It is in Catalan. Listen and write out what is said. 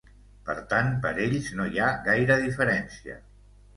Per tant, per ells no hi ha gaire diferència.